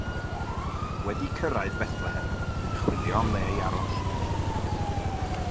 Wedi cyrraedd Bethlehem bu'n chwilio am le i aros.